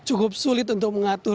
ini cukup sulit untuk mengatur van